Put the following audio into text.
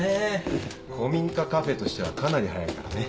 古民家カフェとしてはかなり早いからね。